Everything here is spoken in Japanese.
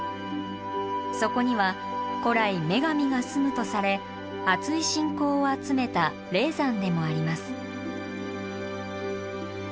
そこには古来女神が住むとされあつい信仰を集めた霊山でもあります。